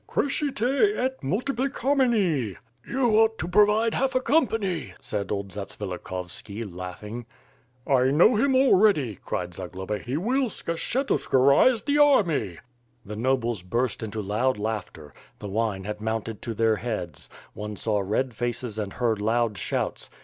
' '^Cresciie et multiplicamini P' "You ought to provide half a company/' said old Zats yilikhovski laughing. "I know him already/' crifd Zagloba, *Tie will Skshe iuskirize the army." The nobles burst into loud laughter; the wine had mounted to their heads; one saw red faces and heard loud shouts.